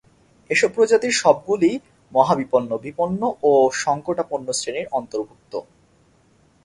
এসব প্রজাতির সবগুলোই মহাবিপন্ন, বিপন্ন ও সংকটাপন্ন শ্রেণীর অন্তর্ভুক্ত।